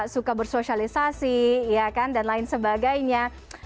suka bersosialisasi ya kan dan lain sebagainya